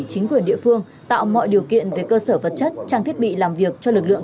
chính quyền địa phương tạo mọi điều kiện về cơ sở vật chất trang thiết bị làm việc cho lực lượng